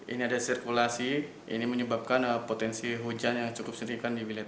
ini ada sirkulasi ini menyebabkan potensi hujan yang cukup signifikan di wilayah tersebut